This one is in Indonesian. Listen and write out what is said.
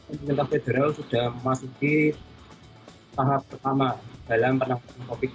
pertama kita federal sudah memasuki tahap pertama dalam penampungan covid sembilan belas